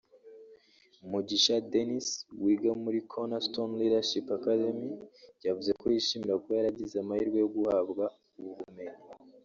Mugisha Dennis wiga muri Cornerstone Leadership Academy yavuze ko yishimira kuba yaragize amahirwe yo guhabwa ubu bumenyi